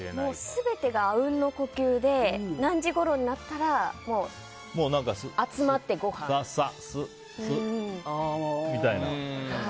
全てが阿吽の呼吸で何時ごろになったら集まって、ごはんみたいな。